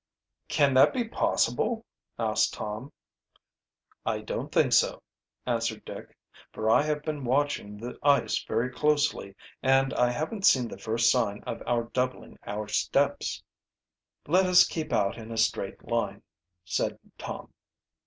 "Can that be possible?" asked Tom. "I don't think so," answered Dick, "for I have been watching the ice very closely and I haven't seen the first sign of our doubling our steps." "Let us keep out in a straight line," said Tom.